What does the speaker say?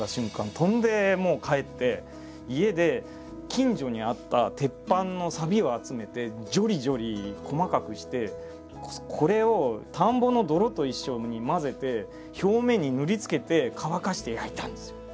飛んで帰って家で近所にあった鉄板のさびを集めてじょりじょり細かくしてこれを田んぼの泥と一緒に混ぜて表面に塗りつけて乾かして焼いたんですよ。